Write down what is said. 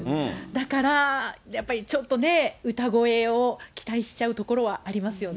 だから、やっぱりちょっとね、歌声を期待しちゃうところはありますよね。